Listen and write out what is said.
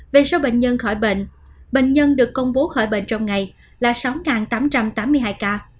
về số bệnh nhân khỏi bệnh bệnh nhân được công bố khỏi bệnh trong ngày là sáu tám trăm tám mươi hai ca